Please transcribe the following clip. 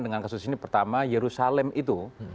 dengan kasus ini pertama yerusalem itu